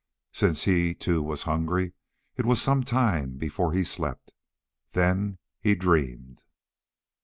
Since he too was hungry, it was some time before he slept. Then he dreamed.